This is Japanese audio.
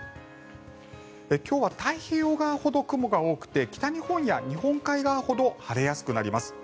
今日は太平洋側ほど雲が多くて北日本や日本海側ほど晴れやすくなります。